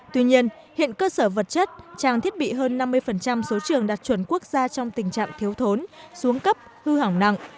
tuy nhiên hiện cơ sở vật chất trang thiết bị hơn năm mươi số trường đạt chuẩn quốc gia trong tình trạng thiếu thốn xuống cấp hư hỏng nặng